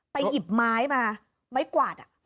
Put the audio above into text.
หยิบไม้มาไม้กวาด